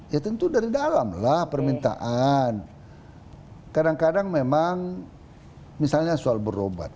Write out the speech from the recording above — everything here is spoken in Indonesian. ya tentu dari dalam lah permintaan kadang kadang memang misalnya soal berobat